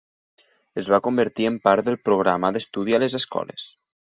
Es va convertir en part del programa d'estudi a les escoles.